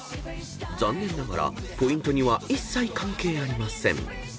［残念ながらポイントには一切関係ありません］